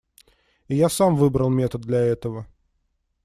И я сам выбрал метод для этого.